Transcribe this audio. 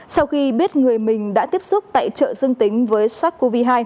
sau khi biết người mình đã tiếp xúc tại chợ dương tính với sars cov hai